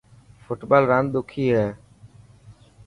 فٽبال راند ڏکي هي.